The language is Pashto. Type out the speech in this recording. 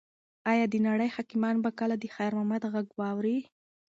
ایا د نړۍ حاکمان به کله د خیر محمد غږ واوري؟